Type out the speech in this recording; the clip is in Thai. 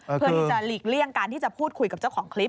เพื่อที่จะหลีกเลี่ยงการที่จะพูดคุยกับเจ้าของคลิป